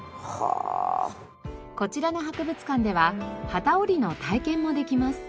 こちらの博物館では機織りの体験もできます。